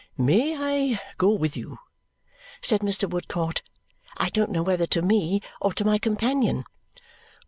"May I go with you?" said Mr. Woodcourt. I don't know whether to me or to my companion.